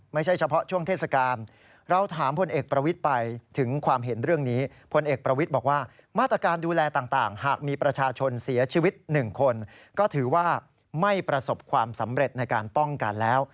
ไม่ใช่เฉพาะช่วงเทศกาล